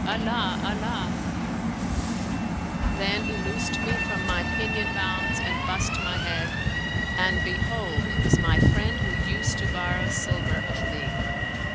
Allah ! Allah !" Then he loosed me from my pinion bonds and bussed my head, and behold it was my friend who used to borrow silver of me.